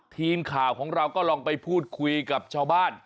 ทีมข่าวของเราก็ลองไปพูดคุยกับชาวบ้าน